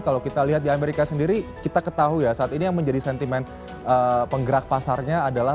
kalau kita lihat di amerika sendiri kita ketahui ya saat ini yang menjadi sentimen penggerak pasarnya adalah